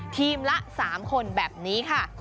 ทีมละ๓คนแบบนี้ค่ะ